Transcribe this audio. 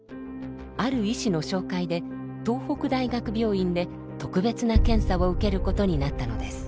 ある医師の紹介で東北大学病院で特別な検査を受けることになったのです。